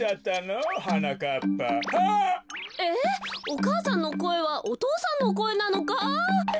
お母さんのこえはお父さんのこえなのか？